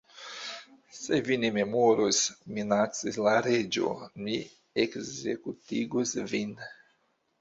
"Se vi ne memoros," minacis la Reĝo, "mi ekzekutigos vin."